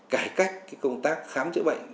cải cách công tác khám chữa bệnh